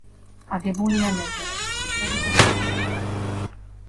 აგებულია მერგელებით, კირქვებითა და ქვიშაქვებით.